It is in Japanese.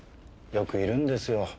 よくいるんですよ